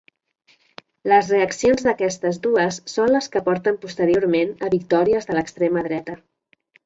Les reaccions d'aquestes dues són les que porten posteriorment a victòries de l'extrema dreta.